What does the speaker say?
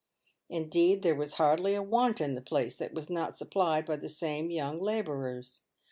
Indeed, there was hardly a want in the place that was not supplied by the same young labourers.